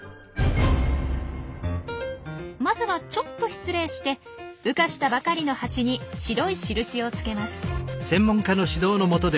まずはちょっと失礼して羽化したばかりのハチに白い印を付けます。